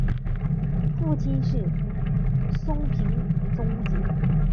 父亲是松平忠吉。